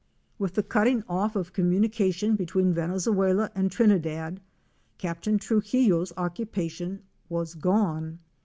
With the cutting off of communication between Venezuela and Trinidad, Captain Truxillo's occupation was gone.